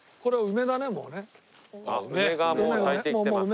あっ梅がもう咲いてきてますか。